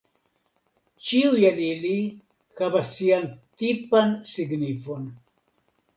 Ĉiuj el ili havas sian tipan signifon.